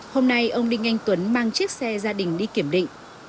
hôm nay ông đinh anh tuấn mang chiếc xe gia đình đi kiểm định